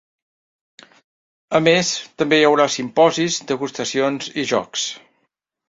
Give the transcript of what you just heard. A més, també hi haurà simposis, degustacions i jocs.